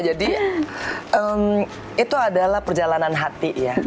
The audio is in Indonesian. jadi itu adalah perjalanan hati ya